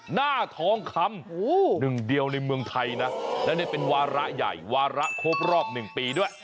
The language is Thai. หน้าทองคำหนึ่งเดียวในเมืองไทยนะแล้วเนี่ยเป็นวาระใหญ่วาระครบรอบ๑ปีด้วย